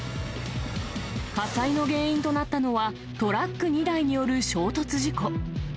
火災の原因となったのは、トラック２台による衝突事故。